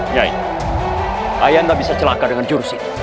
nyai ayah tidak bisa celaka dengan jurus ini